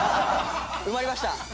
埋まりました！